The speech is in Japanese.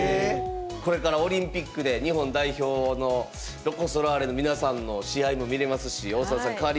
これからオリンピックで日本代表のロコ・ソラーレの皆さんの試合も見れますし大澤さん